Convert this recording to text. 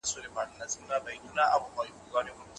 د نفوس جوړښت هم د اقتصادي پرمختيا ښکارندويي کوي.